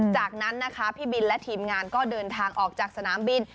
จากนั้นนะคะพี่บินและทีมงานก็เดินทางออกจากสนามบิน